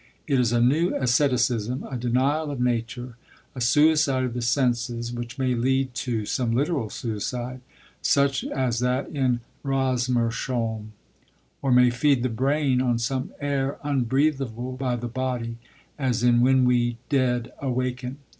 It is a new asceticism, a denial of nature, a suicide of the senses which may lead to some literal suicide such as that in Rosmersholm, or may feed the brain on some air unbreathable by the body, as in When we Dead Awaken.